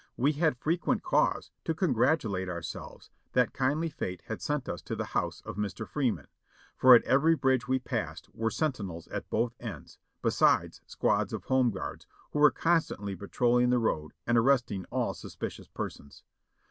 We had frequent cause to congratulate ourselves that kindly fate had sent us to the house of Mr. Freeman, for at every bridge we passed were sentinels at both ends, besides squads of home guards, who were constantly patrolling the road and arresting all suspicious persons.